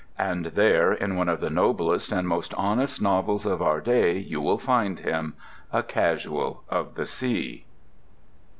And there, in one of the noblest and most honest novels of our day, you will find him—a casual of the sea!